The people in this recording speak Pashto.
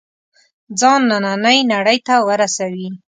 ځان نننۍ نړۍ ته ورسوي.